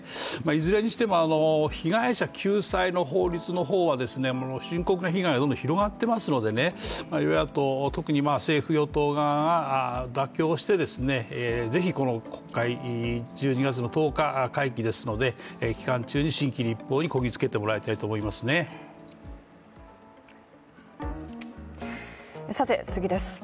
いずれにしても被害者救済の法律の方は深刻な被害がどんどん広がっていますので、与野党、特に政府・与党側が妥協してぜひこの国会、１２月１０日が会期ですので期間中に立法にこぎつけてもらいたいと思いますね。